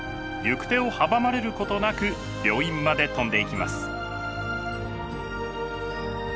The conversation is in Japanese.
行く手を阻まれることなく病院まで飛んでいきます。